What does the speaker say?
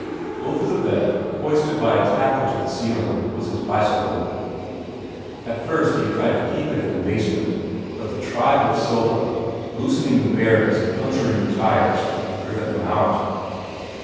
Over the bed, hoisted by a tackle to the ceiling, was his bicycle. At first he had tried to keep it in the basement; but the tribe of Silva, loosening the bearings and puncturing the tires, had driven him out.